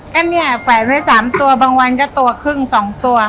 ก็เนี่ยแขวนไว้๓ตัวบางวันก็ตัวครึ่ง๒ตัว